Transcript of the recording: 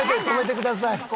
止めてください。